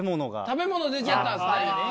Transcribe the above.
食べ物出ちゃったんすね。